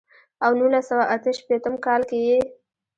او نولس سوه اتۀ شپېتم کال کښې ئې